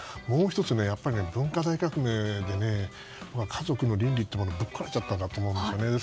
もう１つ、文化大革命で家族の倫理がぶっ壊れちゃったかと思うんですよね。